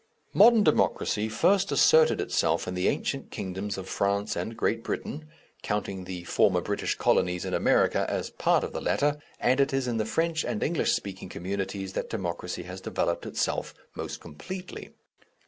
Modern Democracy first asserted itself in the ancient kingdoms of France and Great Britain (counting the former British colonies in America as a part of the latter), and it is in the French and English speaking communities that Democracy has developed itself most completely.